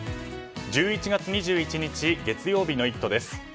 １１月２１日、月曜日の「イット！」です。